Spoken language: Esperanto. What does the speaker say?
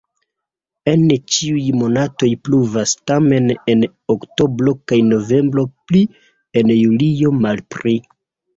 En ĉiuj monatoj pluvas, tamen en oktobro kaj novembro pli, en julio malpli.